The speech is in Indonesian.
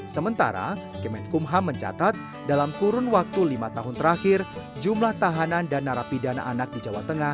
sementara kemenkumham mencatat dalam kurun waktu lima tahun terakhir jumlah tahanan dan narapidana anak di jawa tengah